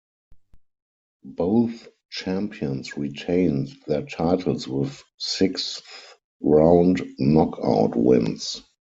Both champions retained their titles with sixth-round knockout wins.